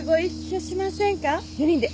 ４人で。